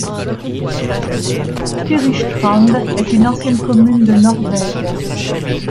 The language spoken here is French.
Tyristrand est une ancienne commune de Norvège.